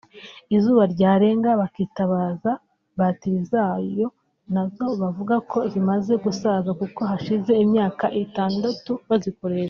izuba ryarenga bakitabaza batiri zayo nazo avuga ko zimaze gusaza kuko hashize imyaka itandatu bazikoresha